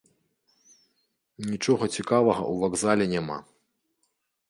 Нічога цікавага ў вакзале няма.